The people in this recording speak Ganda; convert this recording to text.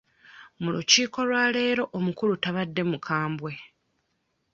Mu lukiiko lwa leero omukulu tabadde mukambwe.